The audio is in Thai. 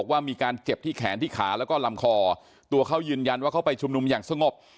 ว่ามีการเจ็บที่แขนที่ขาแล้วก็ลำคอตัวเขายืนยันว่าเขาไปชุมนุมอย่างสงบ